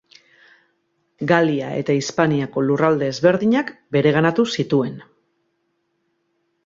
Galia eta Hispaniako lurralde ezberdinak bereganatu zituen.